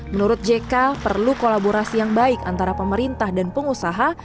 menurut jk perlu kolaborasi yang baik antara pemerintah dan pengusaha